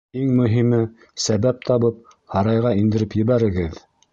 Иң мөһиме, сәбәп табып, һарайға индереп ебәрегеҙ!